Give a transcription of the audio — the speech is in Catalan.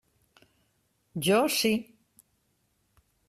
Jo sí.